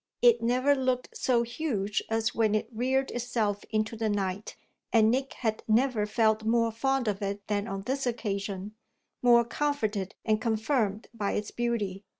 It never looked so huge as when it reared itself into the night, and Nick had never felt more fond of it than on this occasion, more comforted and confirmed by its beauty.